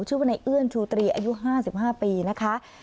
ชื่อว่าในเอื้อนชูตรีอายุห้าสิบห้าปีนะคะ